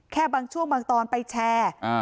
บางช่วงบางตอนไปแชร์